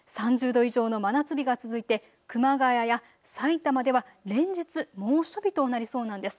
３０度以上の真夏日が続いて熊谷やさいたまでは連日、猛暑日となりそうなんです。